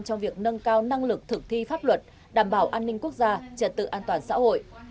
trong việc nâng cao năng lực thực thi pháp luật đảm bảo an ninh quốc gia trật tự an toàn xã hội